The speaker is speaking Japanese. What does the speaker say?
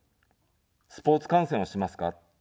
スポーツ観戦をしますか。